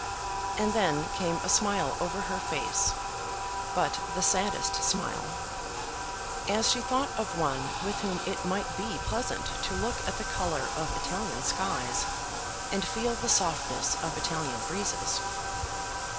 And then came a smile over her face, but the saddest smile, as she thought of one with whom it might be pleasant to look at the colour of Italian skies and feel the softness of Italian breezes.